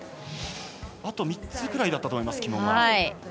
あと３つぐらいだったと思います旗門が。